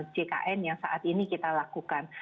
jkn yang saat ini kita lakukan